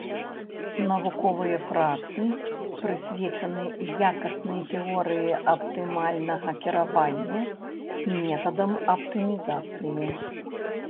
Навуковыя працы прысвечаны якаснай тэорыі аптымальнага кіравання, метадам аптымізацыі.